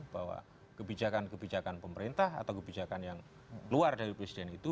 bahwa kebijakan kebijakan pemerintah atau kebijakan yang keluar dari presiden itu